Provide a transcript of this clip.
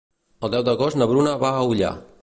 El deu d'agost na Bruna va a Ullà.